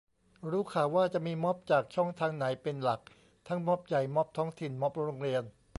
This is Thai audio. รู้ข่าวว่าจะมีม็อบจากช่องทางไหนเป็นหลัก ? ทั้งม็อบใหญ่ ม็อบท้องถิ่น ม็อบโรงเรียน